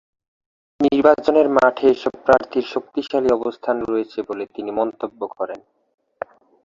নির্বাচনের মাঠে এসব প্রার্থীর শক্তিশালী অবস্থান রয়েছে বলে তিনি মন্তব্য করেন।